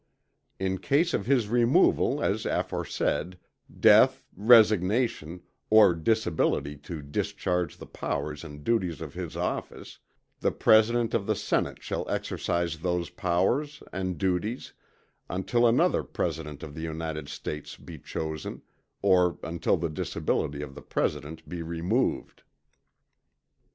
In case of his removal as aforesaid, death, resignation, or disability to discharge the powers and duties of his office, the President of the Senate shall exercise those powers and duties until another President of the United States be chosen, or until the disability of the President be removed.